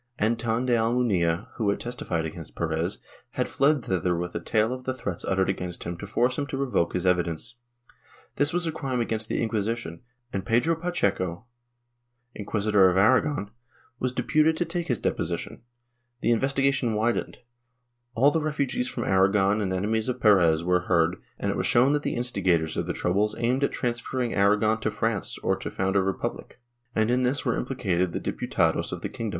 Anton de Almunia, who had testified against Perez, had fled thither with a tale of the threats uttered against him to force him to revoke his evidence. This was a crime against the Inquisition and Pedro Pacheco, Inquisitor of Aragon, was deputed to take his deposi tion ; the investigation widened ; all the refugees from Aragon and enemies of Perez were heard and it was shown that the instigators of the troubles aimed at transferring Aragon to France or to found a republic, and in this were implicated the Diputados of the king Chap.